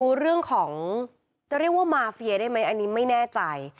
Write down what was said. ดูเรื่องของจะเรียกว่ามาเฟียได้ไหมอันนี้ไม่แน่ใจ